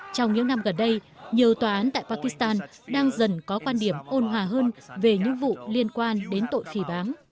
trong những năm gần đây nhiều tòa án tại pakistan đang dần có quan điểm ôn hòa hơn về những vụ liên quan đến tội phì bán